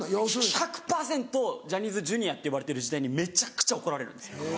１００％ジャニーズＪｒ．って呼ばれてる時代にめちゃくちゃ怒られるんですよ。